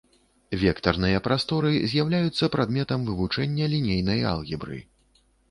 Вектарныя прасторы з'яўляюцца прадметам вывучэння лінейнай алгебры.